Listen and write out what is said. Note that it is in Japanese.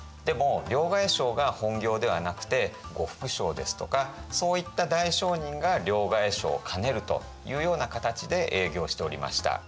でも両替商が本業ではなくて呉服商ですとかそういった大商人が両替商を兼ねるというような形で営業しておりました。